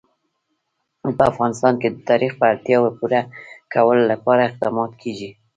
په افغانستان کې د تاریخ د اړتیاوو پوره کولو لپاره اقدامات کېږي.